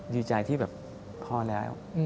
ดีใจที่แบบพอแล้ว